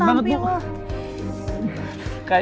sakit banget bu